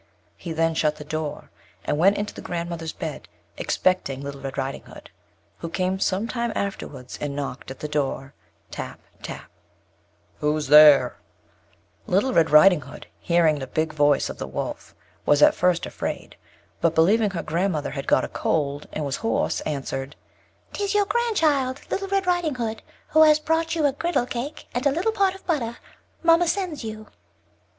He then shut the door, and went into the grand mother's bed, expecting Little Red Riding Hood, who came some time afterwards, and knock'd at the door, tap, tap. "Who's there?" [Illustration: "HE ASKED HER WHITHER SHE WAS GOING"] Little Red Riding Hood, hearing the big voice of the Wolf, was at first afraid; but believing her grand mother had got a cold, and was hoarse, answered: "'Tis your grand child, Little Red Riding Hood, who has brought you a girdle cake, and a little pot of butter, mamma sends you."